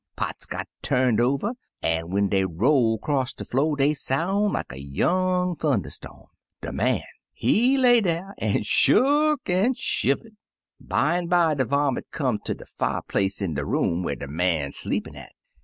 — pots got turned over, an* ^en dey roll 'cross de flo' dey soun' like a young thun derstorm. De man, he lay dar, an' shuck an' shiver'd. "Bimeby de varmint come ter de fier place in de room where de man sleepin' at.